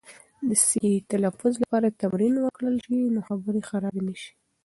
د صحیح تلفظ لپاره تمرین وکړل سي، نو خبرې خرابې نه سي.